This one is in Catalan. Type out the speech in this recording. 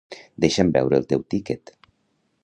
Deixa'm veure el teu tiquet.